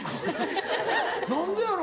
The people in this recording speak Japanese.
何でやろ？